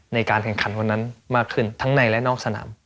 ในการแข่งขันวันนั้นมากขึ้นทั้งในและนอกสนาม